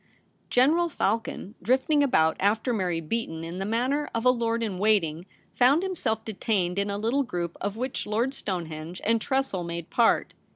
General Falcon, drifting about after Mary Beaton in the manner of a lord in waiting, found himself detained in a little group of which Lord Stonehenge and Tressel made part.